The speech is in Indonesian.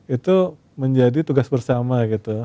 itu menjadi tugas bersama gitu